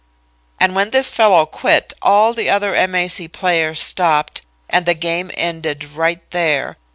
"And when this fellow quit, all the other M. A. C. players stopped, and the game ended right there.